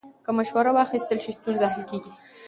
که مشوره واخیستل شي، ستونزه حل کېږي.